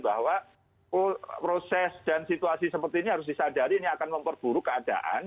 bahwa proses dan situasi seperti ini harus disadari ini akan memperburuk keadaan